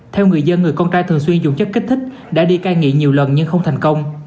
theo người dân người con trai thường xuyên dùng chất kích thích đã đi cai nghiện nhiều lần nhưng không thành công